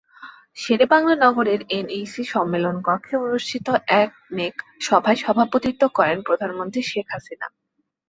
শেরেবাংলা নগরের এনইসি সম্মেলনকক্ষে অনুষ্ঠিত একনেক সভায় সভাপতিত্ব করেন প্রধানমন্ত্রী শেখ হাসিনা।